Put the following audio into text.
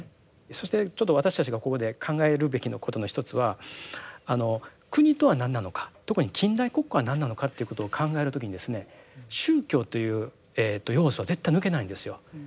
そしてちょっと私たちがここで考えるべきことの一つは国とは何なのか特に近代国家は何なのかっていうことを考える時に宗教という要素は絶対抜けないんですよ。